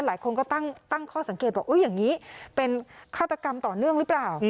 หลายคนก็ตั้งข้อสังเกตบอกอย่างนี้เป็นฆาตกรรมต่อเนื่องหรือเปล่า